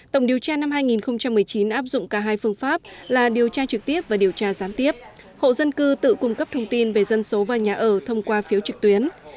tổng điều tra năm hai nghìn một mươi chín áp dụng cả hai phương pháp là điều tra trực tiếp và điều tra gián tiếp hộ dân cư tự cung cấp thông tin về dân số và nhà ở thông qua phiếu trực tuyến